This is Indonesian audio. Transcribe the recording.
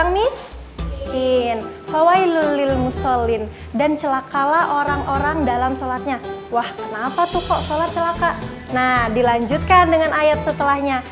nah dilanjutkan dengan ayat setelahnya